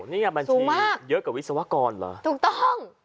นี่ไงบัญชีเยอะกว่าวิศวกรเหรอถูกต้อง